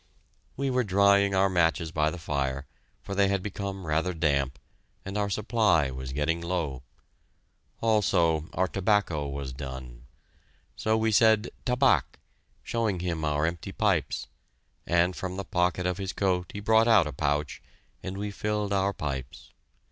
We were drying our matches by the fire, for they had become rather damp, and our supply was getting low. Also our tobacco was done. So we said, "Tabac," showing him our empty pipes, and from the pocket of his coat he brought out a pouch, and we filled our pipes.